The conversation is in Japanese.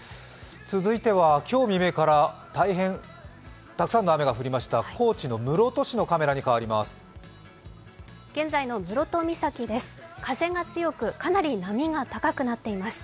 続いては今日未明から大変たくさんの雨が降りました高知の室戸市のカメラに変わります。